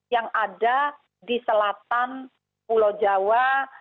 yang ada di selatan pulau jawa